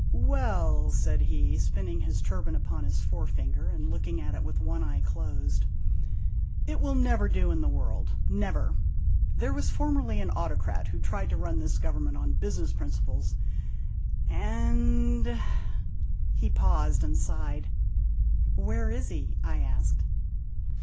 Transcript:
" Well," said he, spinning his turban upon his forefinger and looking at it with one eye closed, " it will never do in the world never ! There was formerly an autocrat who tried to run this gov ernment on business principles, and " he paused and sighed. "Where is he?" I asked.